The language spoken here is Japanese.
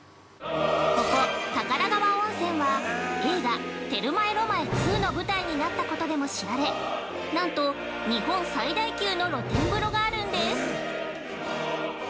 ◆ここ、宝川温泉は、映画「テルマエロマエ２」の舞台になったことでも知られなんと日本最大級の露天風呂があるんです。